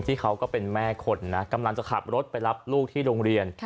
เขาก็เป็นแม่คนนะกำลังจะขับรถไปรับลูกที่โรงเรียน